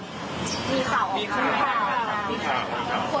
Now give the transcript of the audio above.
มีข่าวมีข่าวมีข่าวมีข่าวมีข่าวมีข่าวมีข่าวมีข่าว